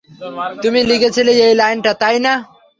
তুমি লিখেছিলে এই লাইনটা, তাই না?